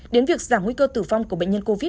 đến việc giảm nguy cơ tử vong cao